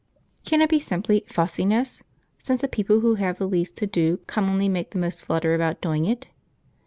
Can it be simply "fussiness"; since the people who have the least to do commonly make the most flutter about doing it?